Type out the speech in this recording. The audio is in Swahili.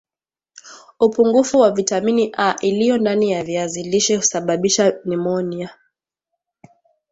upungufu wa vitamini A iliyo ndani ya viazi lishe husababisha nimonia